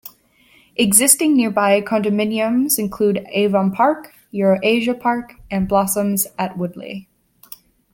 Existing nearby condominiums include Avon Park, Euro-Asia Park and Blossoms at Woodleigh.